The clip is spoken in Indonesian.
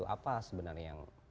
apa sebenarnya yang